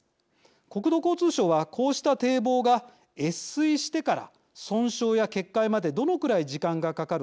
国土交通省はこうした堤防が越水してから損傷や決壊までどのくらい時間がかかるか調べました。